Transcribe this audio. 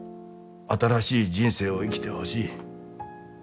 新しい人生を生きてほしい。